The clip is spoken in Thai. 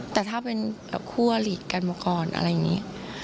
แต่ถ้าเป็นคู่อลีดกันมาก่อนอะไรอย่างนี้